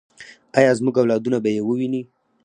آیا زموږ اولادونه به یې وویني؟